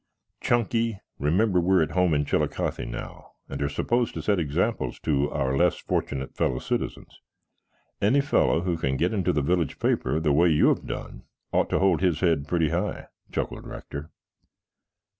"Chunky, remember we are at home in Chillicothe now and are supposed to set examples to our less fortunate fellow citizens. Any fellow who can get into the village paper the way you have done ought to hold his head pretty high," chuckled Rector.